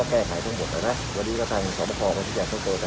เราต้องควบคุมให้ได้หล่ะครับโอเคไหมครับ